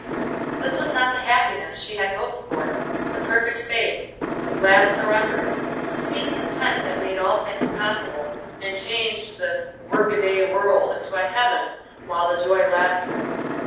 This was not the happiness she had hoped for, the perfect faith, the glad surrender, the sweet content that made all things possible, and changed this work a day world into a heaven while the joy lasted.